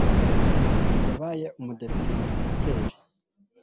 Yabaye umudepite na senateri.